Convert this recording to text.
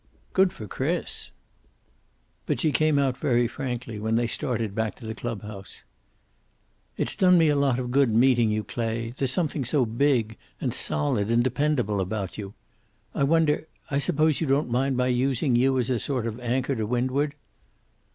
"Good for Chris." But she came out very frankly, when they started back to the clubhouse. "It's done me a lot of good, meeting you, Clay. There's something so big and solid and dependable about you. I wonder I suppose you don't mind my using you as a sort of anchor to windward?"